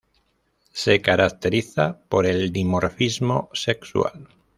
Se caracteriza por el dimorfismo sexual.